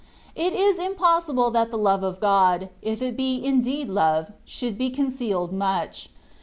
It is impossible that the love of God, if it be indeed love, should be concealed much.